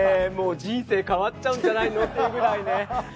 人生変わっちゃうんじゃないのってくらい。